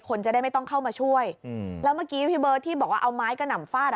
จะได้ไม่ต้องเข้ามาช่วยอืมแล้วเมื่อกี้พี่เบิร์ตที่บอกว่าเอาไม้กระหน่ำฟาดอ่ะ